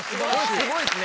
すごいですね。